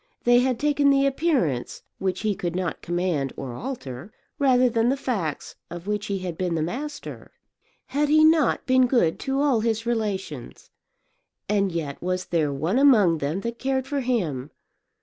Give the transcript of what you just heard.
They had taken the appearance, which he could not command or alter, rather than the facts, of which he had been the master. Had he not been good to all his relations? and yet was there one among them that cared for him?